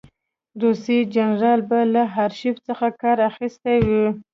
روسي جنرال به له آرشیف څخه کار اخیستی وي.